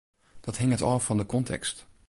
Dat hinget ôf fan de kontekst.